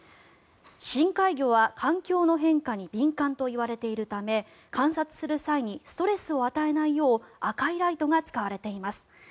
深海魚は環境の変化に敏感といわれているため観察する際にストレスを与えないよう赤いライトが使われています。